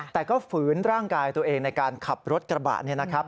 แต่ก็ฝืนร่างกายตัวเองในการขับรถกระบะนี่นะครับ